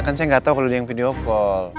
kan saya gak tau kalau dia yang video call